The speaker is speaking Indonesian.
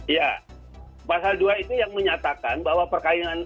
iya pasal dua itu yang menyatakan bahwa